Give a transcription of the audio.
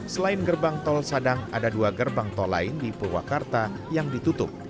selain gerbang tol sadang ada dua gerbang tol lain di purwakarta yang ditutup